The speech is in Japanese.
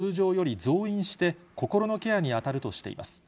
カウンセラーを通常より増員して、心のケアに当たるとしています。